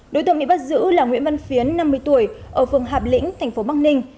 đối tượng bị bắt giữ là nguyễn văn phiến năm mươi tuổi ở phường hạp lĩnh tp bắc ninh